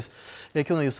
きょうの予想